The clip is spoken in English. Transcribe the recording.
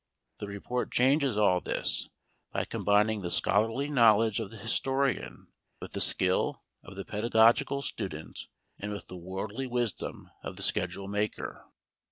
The report changes all this by combining the scholarly knowledge of the historian with the skill of the pedagogical student and with the worldly wisdom of the schedule maker.